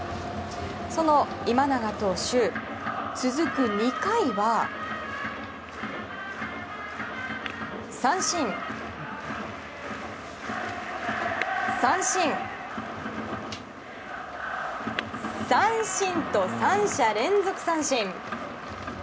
その今永投手、続く２回は三振、三振、三振と三者連続三振。